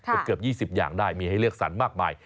เกือบ๒๐อย่างได้มีให้เลือกสรรมากมาย